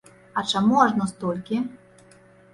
А чаму ажно столькі?